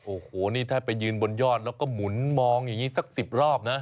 โอ้โหนี่ถ้าไปยืนบนยอดแล้วก็หมุนมองอย่างนี้สัก๑๐รอบนะ